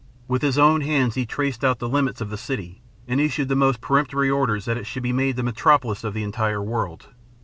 With his own hands he traced out the limits of the city and issued the most peremptory orders that it should be made the metropolis of the entire world.